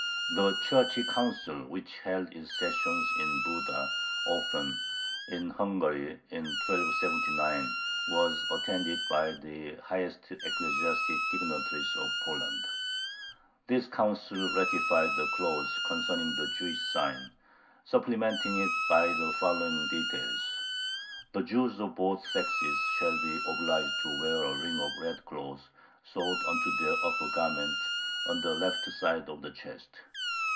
The Church Council which held its sessions in Buda (Ofen), in Hungary, in 1279, was attended by the highest ecclesiastic dignitaries of Poland. This Council ratified the clause concerning the "Jewish sign," supplementing it by the following details: The Jews of both sexes shall be obliged to wear a ring of red cloth sewed on to their upper garment, on the left side of the chest.